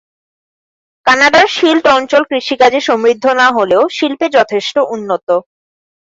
কানাডার শিল্ড অঞ্চল কৃষিকাজে সমৃদ্ধ না হলেও শিল্পে যথেষ্ট উন্নত।